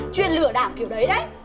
chuyên lừa đảo kiểu đấy đấy